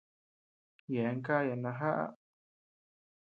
Yeabean káya najaá.